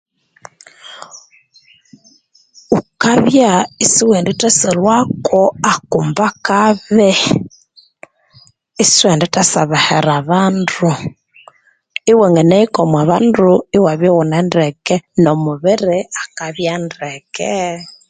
Ghukabya isiwindi thasyalhwako akumba kabi, isiwindithasyabehera abandu iwanganahika omu bandu iwabya ighune ndeke, nomubiri akabya ndeke